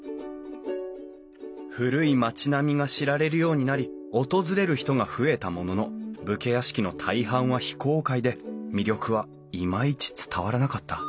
古い町並みが知られるようになり訪れる人が増えたものの武家屋敷の大半は非公開で魅力はイマイチ伝わらなかった。